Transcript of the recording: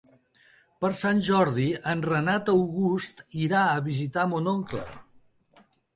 Per Sant Jordi en Renat August irà a visitar mon oncle.